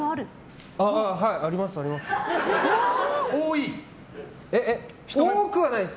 はい、あります。